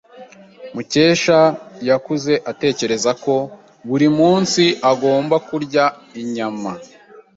Mukesha yakuze atekereza ko buri munsi agomba kurya inyama.